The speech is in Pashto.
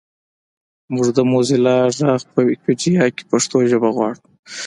مونږ د موزیلا غږ په ویکیپېډیا کې پښتو ژبه غواړو